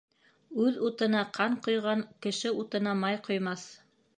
Үҙ утына ҡан ҡойған кеше утына май ҡоймаҫ.